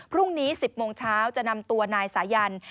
พรุ่งนี้๑๐โมงเช้าจะนำตัวนายสายัน